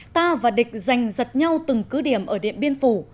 ta và địch giành giật nhau từng cứ điểm ở điện biên phủ